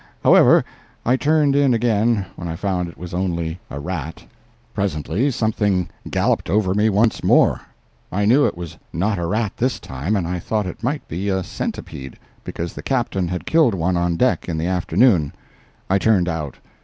However, I turned in again when I found it was only a rat. Presently something galloped over me once more. I knew it was not a rat this time, and I thought it might be a centipede, because the Captain had killed one on deck in the afternoon. I turned out.